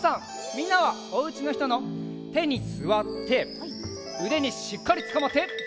みんなはおうちのひとのてにすわってうでにしっかりつかまって！